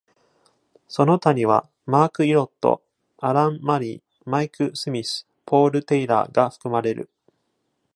その他には、マーク・イロット、アラン・マリー、マイク・スミス、ポール・テイラーが含まれる。